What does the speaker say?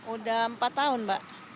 udah empat tahun mbak